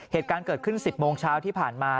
เหตุการณ์เกิดขึ้น๑๐โมงเช้าที่ผ่านมา